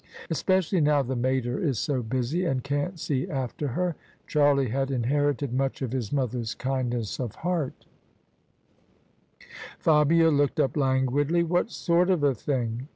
Especially now the mater is so busy, and can't see after her." Charlie had inherited much of his mother's kindness of heart Fabia looked up languidly. "What sort of a thing?